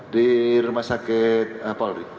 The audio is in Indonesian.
di rumah sakit pusat angkatan darat kemudian dua